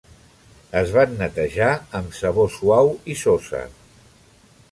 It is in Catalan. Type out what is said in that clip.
Es van netejar amb sabó suau i sosa.